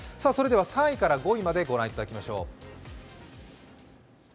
それでは３位から５位まで御覧いただきましょう。